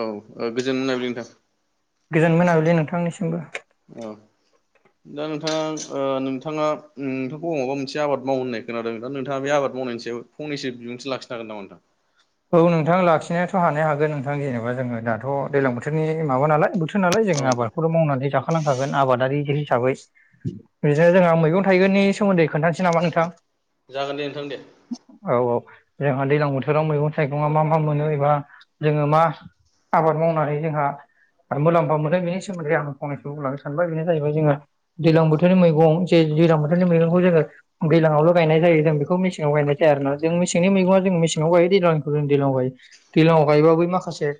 औ गोजोन [unintelligible] नोंथां। गोजोन मोनाबिलि नोंथांनिसिमबो। औ दा नोंथाङा ओ नोंथाङा उम नोंथांखौ अङाबा मोनसे आबाद मावनो ननाय खोनादों दा नोंथाङा बे आबाद मावनायनिस स फंनैसो बिबुथि लाखिनो हागोन नामा नोंथां। औ नोंथां लाखिनायाथ' हानाय हागोन नोंथां जेबा जोङो दाथ' दैज्लां बोथोरनि माबा नालाय बोथोर नालाय औ जोंङो नोंथां आबादखौथ' मावनानै जाखालांखागोन आबादारि हिसाबै। इदिनो जोंहा मैगं थाइगंनि सोमोन्दै खोन्थानोसै नामा नोंथां। जागोन दे नोंथां दे। औ औ जोंहा दैज्लां बोथोराव मैगं थाइगंआ मा मा मोनो एबा जोङो मा आबाद मावनानै जोंहा मुलाम्फा मोनदों बेनि सोमोन्दै आं फंनैसो बुं लांनो सानबाय बे जाहैबाय जोङो दैज्लां बोथोरनि मैगं जे दैजलां बोथोरनि मैगंखौ जोङो दैज्लाङावल' गायनाय जायो जों बेखौ मेसेङाव गायनाय जाया आरोना जों मेसेंनि मैगङा जों मेसेनाव गायो दैजां [unintelligible] दैलङआव गायो दैलङआव गायबा बै माखासे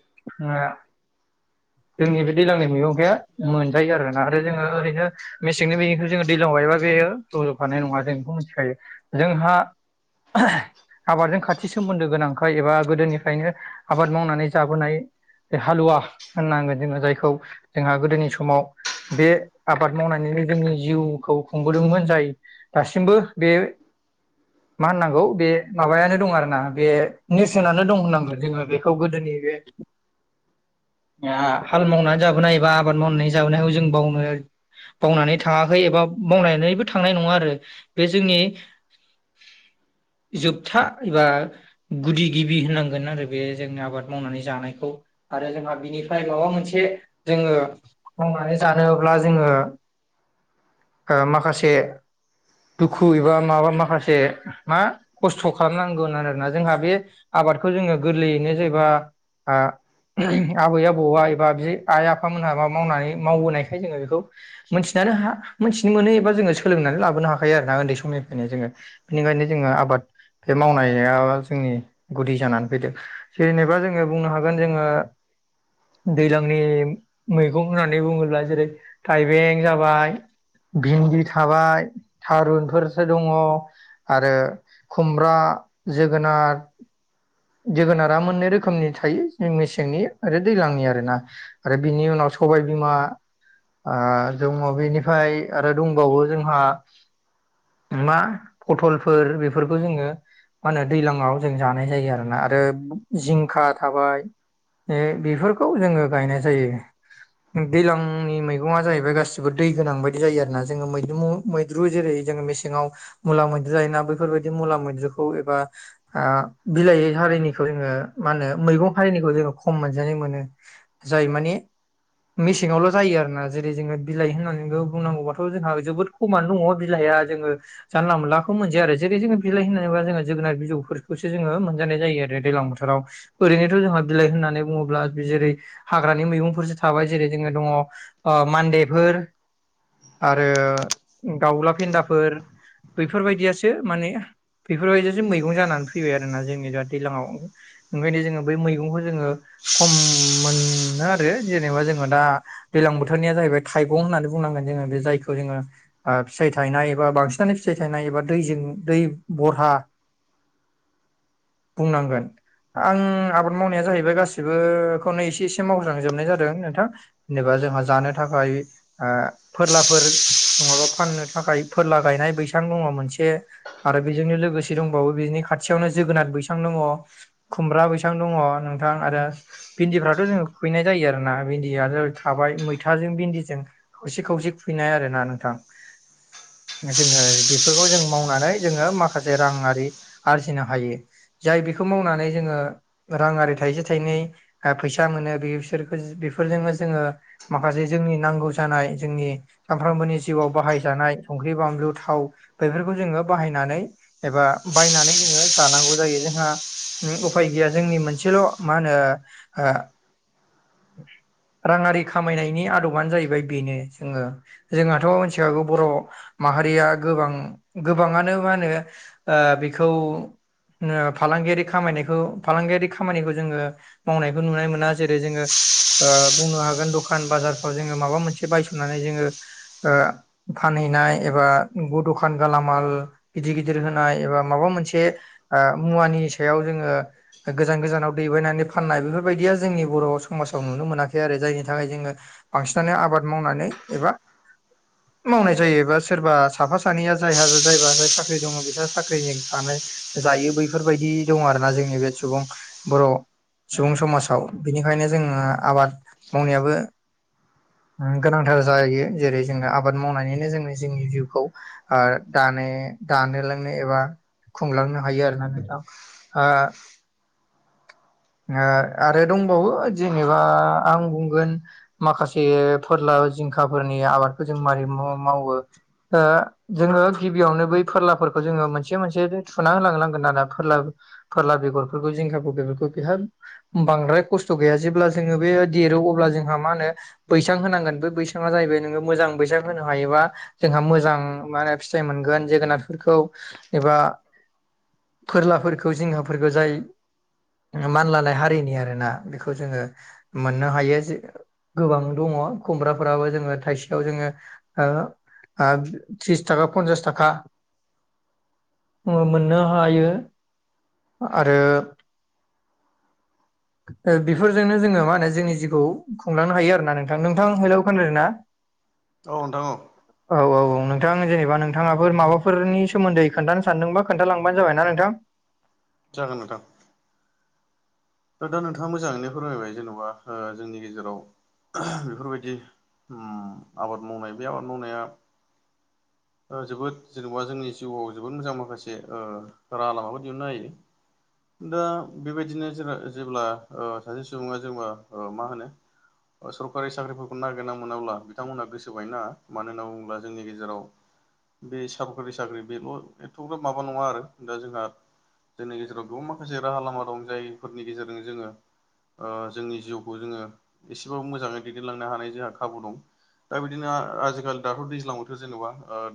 जोंनि बे दैज्लांनि मैगं गाया मोनजायो आरोना आरो जोङो ओरैनो - मेसेंनो बेनिखौ जोङो दैलां हायोबा बेयो रज'खानाय नङा जों बेखौ मिथिखायो जोंहा आबादजों खाथि सोमोन्दो गोनां एबा गोदोनिफ्रायनो आबाद मावनानै जाबोनाय बे हालुवा होननांगोन जोङो जायखौ जोंहा गोदोनि समाव बे आबाद मावनानैनो जोंनि जिउखौ खुंबोदोंमोन जाय दासिमबो बे मा होननांगौ बे माबायानो दं आरोना बे नेरसोनानो दं होननांगोन जोङो बेखौ गोदोनि बे हाल मावनानै जाबोनाय एबा आबाद मावनानै जाबोनायखौ जों बावनो बावनानै थाङाखै एबा बावनानैबो थांनाय नङा आरो बे जोंनि जोबथा एबा गुदि गिबि होननांगोन आरो बे जोंनि आबाद मावनानै जानायखौ। आरो जोंहा बिनिफ्राय माबा मोनसे जोङो मावनानै जानोब्ला जोङो ओ माखासे दुखु एबा माबा माखासे मा खस्थ' खालामनांगोन आरोना। जोंहा बे आबादखौ जोङो गोरलैयैनो जेबा आ आबै आबौआ एबा बि आइ आफामोन हाबा मावनानै मावबोनायखाय जोङो बेखौ मोनथिनानो हा मोनथिनो मोनो एबा जोङो सोलोंनानै लाबोनो हाखायो आरोना उन्दै समनिफ्रायनो जोङो। बेनिखायनो जोङो आबाद बे मावनाया जोंनि गुदि जानानै फैदों जेनेबा जोङो बुंनो हागोन जोङो दैलांनि मैगं होननानै बुङोब्ला जेरै थाइबें जाबाय भिन्दि थाबाय थारुनफोरसो दङ। आरो खुमब्रा गोनाद जोगोनारा मोननै रोखोमनि थायो जों मेसेंनि आरो दैलांनि आरो ना। आरो बिनि उनाव सबाय बिमा। आ जोङ बेनिफ्राय आरो दंबावो जोंहा मा फटलफोर बेफोरखौ जोङो मा होनो दैलाङाव जों जानाय जायो आरो ना आरो जिंखा थाबाय बेफोरखौ जोङो गायनाय जायो। दैलांनि मैगंआ जाहैबाय गासिबो दै गोनां बायदि जायो आरो ना जोङो मैदुमु मैद्रु जेरै जोङो मेसेंआव मुला मैद्रु जायोना बैफोरबायदि मुला मैद्रुखौ एबा आ बिलाय हारिनिखौ जोङो मा होनो मैगं हारिनिखौ जोङो खम मोनजानाय मोनो जाय माने मेसेंआवल' जायो आरोना जेरै जोङो बिलाइ होननानैबो बुंनांगौबाथ' जोंहा जोबोद खमानो दङ बिलाइआ जोङो जानला मानलाखौ मोनजाया आरो जेरै जोङो बिलाइ [unintelligible] जोङो जोगोनार बिजौफोरखौसो जोङो मोन जानाय जायो आरो दैलां बोथोराव। ओरैनोथ' जोंहा बिलाइ होननानै बुङोब्ला बि जेरै हाग्रानि मैगंफोरसो थाबाय जेरै जोङो दङ ओ मान्देफोर आरो दाउला फेन्दाफोर बैफोरबायदियासो माने बेफोरबायदियासो मैगं जानानै फैबाय आरोना जोंनि नै दा दैलाङाव ओंखायनो जोङो बै मैगंखौ जोङो खम मोनो आरो जेनेबा जोङो दा दैलां बोथोरनिया जाहैबाय थाइगं होननानै बुंनांगोन जोङो बे जायखौ जोङो आ फिथाइ थाइनाय एबा बांसिनानो फिथाइ थायनाय एबा दैजों दै बरहा बुंनांगोन। आं आबाद मावनाया जाहैबाय गासिबोखौनो एसे एसे मावज्रांजोबनाय जादों नोंथां। जेनेबा जोंहा जानो थाखाय ओ फोरलाफोर नङाबा फाननो थाखाय फोरला गायनाय बैसां दङ मोनसे। आरो बेजोंनो लोगोसे दंबावो बिनि खाथियावनो जोगोनाद बैसां दङ। खुमब्रा बैसां दङ नोंथां आरो भिन्दिफ्राथ' जोङो खुबैनाय जायो आरोना भिन्दियाथ' थाबाय मैथाजों भिन्दिजों खावसे खावसे खुहैनाय आरोना नोंथां। जोङो बेफोरखौ जों मावनानै जोङो माखासे रां आरि आरजिनो हायो जाय बेखौ मावनानै जोङो रां आरि थाइसे थाइनै ओ फैसा मोनो बेसोरखोर बेफोरजोंनो जोङो माखासे जोंनि नांगौ जानाय जोंनि सानफ्रामबोनि जिउआव बाहाय जानाय संख्रि, बानलु, थाव बेफोरखौ जोङो बाहायनानै एबा बायनानै जोङो जानांगौ जायो। जोंहा उफाय गैया जोंनि मोनसेल' मा होनो राङारि खामायनायनि आदबानो जाहैबाय बेनो जोङो। जोंहाथ' मिथिखागौ बर' माहारिया गोबां गोबाङानो मा होनो ओ बेखौ ओ फालांगियारि खामनायखौ फालांगियारि खामायनायखौ जोङो मावनायखौ नुनाय मोना। जेरै, जोङो बुंनो हागोन दखान बाजारफ्राव जोङो माबा मोनसे बायसननानै जोङो फानहैनाय एबा दखान गेला माल गिदिर-गिदिर होनाय एबा माबा मोनसे मुवानि सायाव जोङो गोजान गोजानाव दैबायनानै फाननाय बेफोर बायदिया जोंनि बर' समाजाव नुनो मोनाखै आरो जायनि थाखाय जोङो बांसिनानो आबाद मावनानै एबा मावनाय जायोबा सोरबा साफा सानैया जायहा जायबा साख्रि दङ बिसोरहा साख्रिजों थानाय जायो बैफोरबायदि दङ आरोना जोंनि बे सुबुं बर' सुबुं समाजाव बिनिखायनो जोङो आबाद मावनायाबो गोनांथार जायो जेरै जोङो आबाद मावनानैनो जोङो जोंनि जिउखौ दानो दानो लोंनो एबा खुंलांनो हायो आरोना नोंथां। आरो दंबावो जेनेबा आं बुंगोन माखासे फोरला जिंखाफोरनि आबादखौ जों मारै मावो जोङो गिबियावनो बै फोरलाफोरखौ जोङो मोनसे मोनसे सुना होलांनांगोन ना फोरला फोरला बेगरफोरखौ जिंखाफोर बेफोरखौ बेहा बांद्राय खस्थ' गैया जेब्ला जोङो बे देरो अब्ला जोंहा मा होनो बैसां होनांगोन बे बैसाङा जाहैबाय नोङो मोजां बैसां होनो हायोबा जोंहा मोजां मा होनो फिथाइ मोनगोन जोगोनारफोरखौ एबा फोरलाफोरखौ जिंखाफोरखौ जाय मानलानाय हारिनि आरोना बेखौ जोङो मोननो हायो। जे गोबां दङ खुमब्राफोराबो जोङो थाइसेयाव जोङो आरो त्रिस थाखा पन्सास थाखा जोङो मोननो हायो। आरो [inaudible] बेफोरजोंनो जोङो मा होनो जोंनि जिउखौ खुंलांनो हायो आरोना नोंथां। नोंथां हेलौ खोनादोंना? औ नोंथां औ। औ औ औ नोंथां जेनेबा नोंथाङाबो माबाफोरनि सोमोन्दै खोन्थानो सानदोंबा खोनथा लांबानो जाबायना नोंथां। जागोन नोंथां। दा नोंथाङा मोजाङैनो फोरमायबाय जेन'बा जोंनि गेजेराव बेफोर बायदि आबाद मावनाय बे आबाद मावनाया जोबोद जेनेबा जोंनि जिउआव जोबोद मोजां माखासे राहा लामाबो दिहुननो हायो दा बेबायदिनो ज जेब्ला सासे सुबुङा जोंबा मा होनो सरकारि साख्रिफोरखौ नागिरना मोनाब्ला बिथांमोनहा गोसोबायनाा मानो होनना बुङोब्ला जोंनि गेजेराव बे सरकारि साख्रि बेखौ' एथ'ग्र' माबा नङा आरो दा जोंहा जोंनि गेजेराव गोबां माखासे राहा लामा दं जायफोरनि गेजेरजों जोङो जोंनि जिउखौ जोङो एसेबाबो मोजाङै दैदेनलांनो हानाय जोंहा खाबु दं। दा बिदिनो आजिखालि दाथ' दैज्लां बोथोर जेन'बा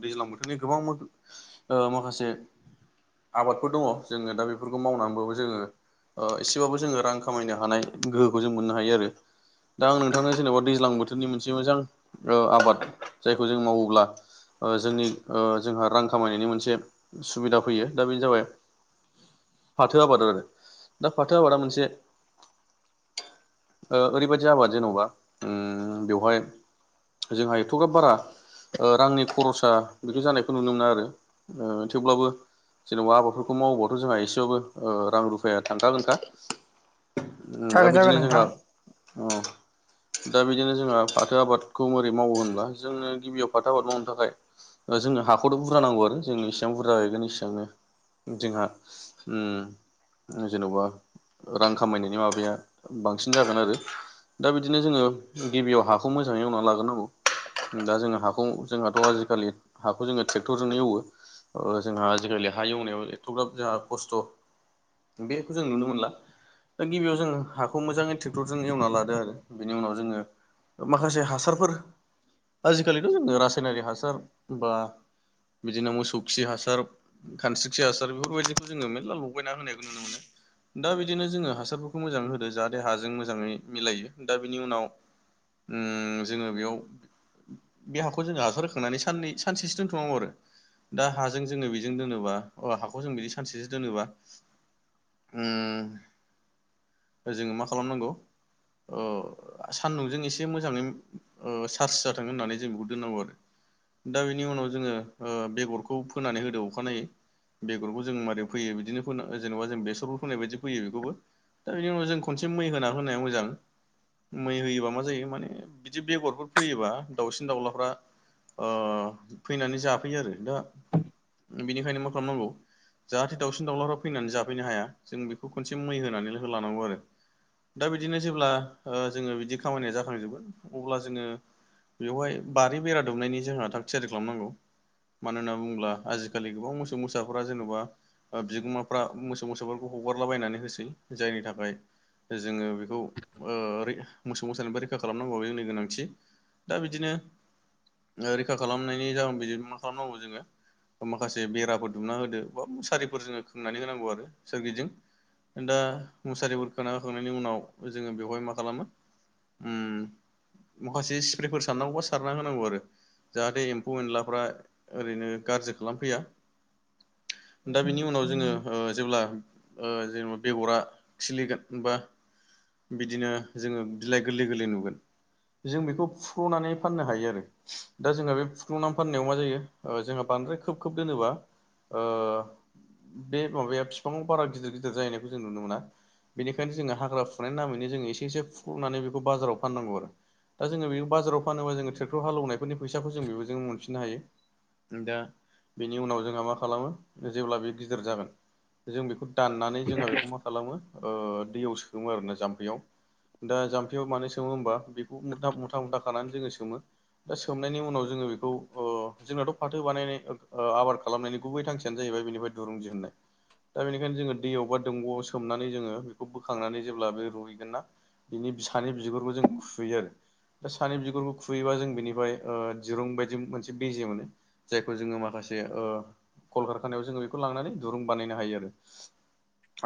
दैज्लां बोथोरनि गोबां माखासे आबादफोर दङ जोङो दा बेफोरखौ मावनानैबबो जोङो एसेबाबो जोङो रां खामायनो हानाय गोहोखौ जों मोननो हायो आरो। दा आं नोंथांनो जेनोबा दैज्लां बोथोरनि मोनसे मोजां ओ आबाद जायखौ जों मावोब्ला ओ जोंनि ओ जोंहा रां खामायनायनि मोनसे सुबिदा फैयो दा बेनो जाबाय फाथो आबाद आरो दा फाथो आबादा मोनसे ओ ओरैबायाददि आबाद जेनबा ओम बेवहाय जोंहा एथ'गाब बारा ओ रांनि खरसा बिदि जानायखौ नुनो मोना आरो ओ थेवब्लाबो जेनबा आबादफोरखौ मावोबाथ' जोंहा एसेबाबो ओ रां रुफाया थांखागोनखा। दा जागोन जागोन बिदिनो जोंहा नोंथां औ दा बिदिनो जोंहा फाथो आबादखौ बोरै मावो होनब्ला जोंङो गिबियाव फाथो आबाद मावनो थाखाय ओ जोंनो हाखौथ' बुरजा नांगौ आरो जोंङ इसेबां बुरजा जाहैगोन इसेबांनो। जोंहा उम जेनोबा रां खामायनायनि माबाया बांसिन जागोन आरो दा बिदिनो जोङो गिबियाव हाखौ मोजाङै एवनानै लाग्रो नांगौ। दा जोङो हाखौ जोंहाथ' आजिखालि हाखौ जोङो ट्रेक्टरजोंनो एवो। ओ जोंहा आजिखालि हा एवनायाव एथ'ग्राब जोंहा खस्थ' बेखौ जों नुनो मोनला। दा गिबियाव जोङो हाखौ मोजाङै ट्रेक्टरजों एवना लादों आरो बिनि उनाव जोङो माखासे हासारफोर आजिखालिथ' जोङो रासायनारि हासार बा बिदिनो मोसौ खि हासार खानस्रि खि हासार बेफोरबायदिखौ जोङो मेरला लगायना होनायखौ नुनो मोनो। दा बिदिनो जोङो हासारफोरखौ मोजाङै होदो जाहाथे हाजों मोजाङै मिलायो दा बिनि उनाव उम जोङो बेयाव बे हाखौ जोङो हासार होखांनानै साननै सानसेसो दोनथ'नांगौ आरो। दा हाजों जोङो बेजों दोनोबा अ हाखौ जों बिदि सानसेसो दोनोबा उम जोङो मा खालामनांगौ ओ सान्दुंजों एसे मोजाङै ओ चार्स जाथों होननानै जों बेखौ दोननांगौ आरो। दा बेनि उनाव जोङो ओ बेगरखौ फोनानै होदो अखानायै। बेगरखौ जों माबारै फोयो बिदिनो फोनो जेनोबा जों बेसरफोर फोनाय बायदि फोयो बेखौबो। दा बेनि उनाव जों खनसे मै होना होनाया मोजां। मै होयोबा मा जायो माने बिदि बेगरफोर फोयोबा दाउसिन दाउलाफ्रा ओ फैनानै जाफैयो आरो दा बेनिखायनो मा खालामनांगौ जाहाथे दाउसिन दाउलाफ्रा फैनानै जाफैनो हाया जों बेखौ खनसे मै होनानै होलांनांगौ आरो। दा बिदिनो जेब्ला ओ जोङो बिदि खामानिया जाखांजोबगोन अब्ला जोङो बेवहाय बारि बेरा दुमनायनि जोंहा थाग थियारि खालामनांगौ मानो होनना बुङोब्ला आजिखालि गोबां मोसौ मोसाफोरा जेन'बा ओ बिगोमाफ्रा मोसौ मोसाफोरखौ हगारलाबायनानै होसै जायनि थाखाय जोङो बेखौ ओ ओरै मोसौ मोसानिबो रैखा खालामनांगौ बे जोंनि गोनांथि। दा बिदिनो ओ रैखा खालामनायनि जाहोन बिदि मा खालामनांगौ जोङो माखासे बेराफोर दुमना होदो बा मुसारिफोर जोङो खोमनानै होनांगौ आरो सोरगिदि। दा मुसारिफोर खोना होखांनायनि उनाव जोङो बेवहाय मा खालामो ओम माखासे स्प्रेफोर सारनांगौबा सारना होनांगौ आरो जाहाथे एम्फौ एनलाफ्रा ओरैनो गाज्रि खालामफैया। दा बिनि उनाव जोङो जेब्ला ओ जेन' बेगरा खिलिगोन होनबा बिदिनो जोङो बिलाइ गोरलै गोरलै नुगोन। जों बेखौ फुख्ल'नानै फाननो हायो आरो। दा जोंहा बे फुख्लुंनानै फाननायाव मा जायो ओ जोंहा बांद्राय खोब खोब दोनोबा ओ बे माबाया बिफाङाव बारा गिदिर गिदिर जाहैनायखौ जों नुनो मोना। बेनिखायनो जोङो हाग्रा फुनायनि नामैनो जोङो एसे एसे फुख्लुबनानै बेखौ बाजाराव फाननांगौ आरो। दा जोङो बे बाजाराव फानोबा जोङो ट्रेक्टरालेवनायफोरनि फैसाखौ जों बेबो जों मोनफिननो हायो। दा बेनि उनाव जोंहा मा खालामो जेब्ला बे गिदिर जागोन जों बेखौ दाननानै जोंहा बेखौ मा खालामो ओ दैयाव सोमो आरोना जाम्फैयाव। दा जाम्फैयाव मानो सोमो होमबा बेखौथा मुथा मुथा खानानै जोङो सोमो। दा सोमनायनि उनाव जोङो बेखौ ओ जोंनाथ' फाथो बानायनाय आबाद खालामनायनि गुबै थांखियानो जाहैबाय बेनिफ्राय दुरुं दिहुन्नाय। दा बेनिखायनो जोङो दैयाव बा दंग'आव सोमनानै जोङो बेखौ बोखांनानै जेब्ला बे रुइगोन ना बिनि सानि बिगुरखौ जों खुयो आरो दा सानै बिगुरखौ खुयोबा जों बेनि ओ दिरुं बायदि मोनसे बिजे मोनो जायखौ जोङो माखासे ओ कलकारखानायाव जोङो बेखौ लांनानै दुरुं बानायनो हायो आरो।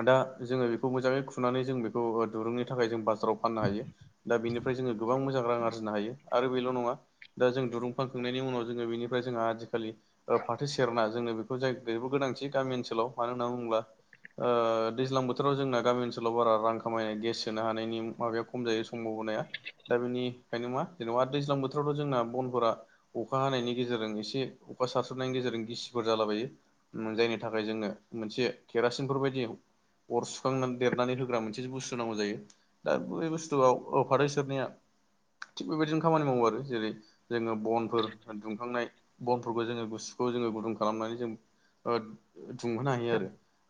दा जोङो बेखौ मोजाङै खुनानै जों बेखौ ओ दुरुंनि थाखाय जों बास फाराव फाननो हायो दा बेनिफ्राय जोङो गोबां मोजां रां आरजिनो हायो आरो बेल' नङा दा जों दुरुं फान खांनायनि उनाव जोङो बेनिफ्राय जोंहा आजिखालि ओ फाथो सेरना जोंङो बेखौ जायबो गोनांथि गामि ओनसोलाव मानो होनना बुङोब्ला ओ दैज्लां बोथोराव जोंना गामि ओनसोलाव बार रां खामायनाय गेस सोनो हानायनि माबाया खम जायो संभावबनाया दा बिनि बेखायनोङा जेनबा दै्लां बोथावथ' जोंना बनफोरा अखा हानायनि गेजेरजों एसे अखा सारस्रनायनि गेजेरजों गिसिफोर जालाबायो। जायनि थाखाय जोङो मोनसे केरासिनफोरबायायदि अर सुखांनानै देरनानै होग्रा मोनसेसो बुस्थु नांगौ जायो। दा बे बुस्थुआवफाथैसोरनिया थिग बेबायदिनो खामानि मावो आरो जेरै जोङो बनफोर दुंखांनाय बनफोरखौ जोङो गुसुखौ जोङो गुदुं खालामनानै जों ओ दुंहोनो हायो आरो।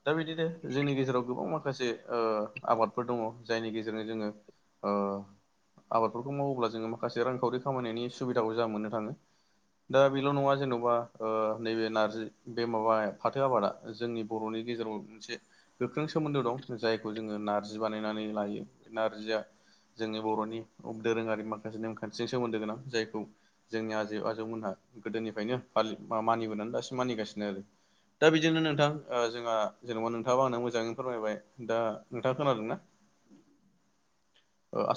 दा बिदिनो जोंनि गेजेराव गोबां माखासे ओ आबादफोर दङ जायनि गेजेरजों जोङो ओ आबादफोरखौ मावोब्ला जोङो माखासे रांखावरि खामायनायनि सुबिदाखौ जों मोननो थाङो। दा बेल' नङा जेन'बा ओ नैबे नारजि बे माबा फाथो आबादा जोंनि बर'नि गेजेराव मोनसे गोख्रों सोमोन्दो दं जायखौ जोङो नार्जि बानायनानै लायो बे नारजिया जोंनि बर'नि दोरोङारि माखासे नेमखान्थिजों सोमोन्दो गोनां जाय खौ जोंनि आजै आजौमोनहा गोदोनिफ्रायनो फालि मानिबोनानै दासिम मानिगासिनो आरो। दा बिदिनो नोंथां ओ जोंहा जेन'बा नोंथाङाबा आंनो मोजाङैनो फोरमायबाय दा नोंथाङा खोनादोंना? ओ आस